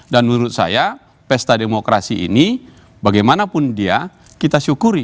dan menurut saya pesta demokrasi ini bagaimanapun dia kita syukuri